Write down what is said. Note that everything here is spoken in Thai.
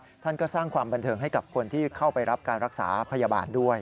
ท่านก็สร้างความบันเทิงให้กับคนที่เข้าไปรับการรักษาพยาบาลด้วย